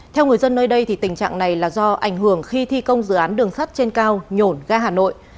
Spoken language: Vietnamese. theo người dân nơi đây tình trạng này là do ảnh hưởng khi thi công dự án đường sắt trên cao nhổn ga hà nội